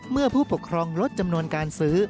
ผู้ปกครองลดจำนวนการซื้อ